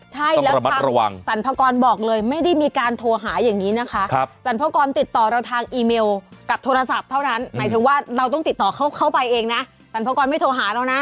ใช่แล้วสรรพากรบอกเลยไม่ได้มีการโทรหาอย่างนี้นะคะสรรพากรติดต่อเราทางอีเมลกับโทรศัพท์เท่านั้นหมายถึงว่าเราต้องติดต่อเข้าไปเองนะสรรพากรไม่โทรหาเรานะ